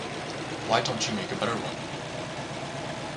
Why don't you make a better one?